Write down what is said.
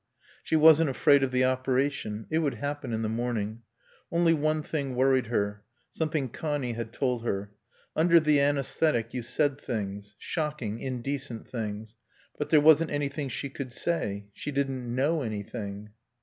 She wasn't afraid of the operation. It would happen in the morning. Only one thing worried her. Something Connie had told her. Under the anæsthetic you said things. Shocking, indecent things. But there wasn't anything she could say. She didn't know anything....